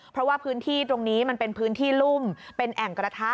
เพราะว่าพื้นที่ตรงนี้มันเป็นพื้นที่รุ่มเป็นแอ่งกระทะ